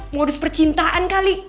modus percintaan kali